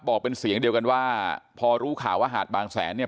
บอกเป็นเสียงเดียวกันว่าพอรู้ข่าวว่าหาดบางแสนเนี่ย